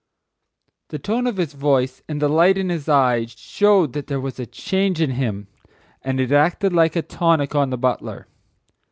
The tone of his voice and the light in his eye showed that there was a change in him and it acted like a tonic on the butler.